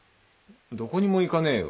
どこにも行かねえよ